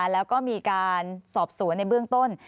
แล้วก็มีการสอบสวนในเบื้องต้น